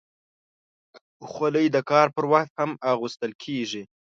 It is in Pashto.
خولۍ د کار پر وخت هم اغوستل کېږي.